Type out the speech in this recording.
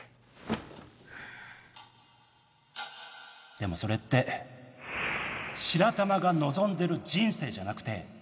でもそれって白玉が望んでる人生じゃなくて